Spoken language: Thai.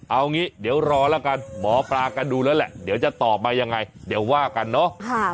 เอางี้เดี๋ยวรอแล้วกันหมอปลาก็ดูแล้วแหละเดี๋ยวจะตอบมายังไงเดี๋ยวว่ากันเนาะ